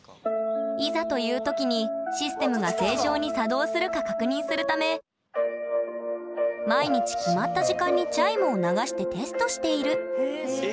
いざという時にシステムが正常に作動するか確認するため毎日決まった時間にチャイムを流してテストしているえ